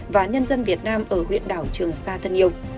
và nhân dân việt nam ở huyện đảo trường sa thân yêu